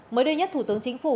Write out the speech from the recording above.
mới đây nhất thủ tướng chính phủ